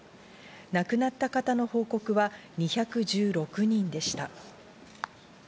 亡くなった方の報告は２１６人でした。